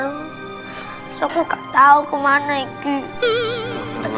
aku tidak tahu ke mana ini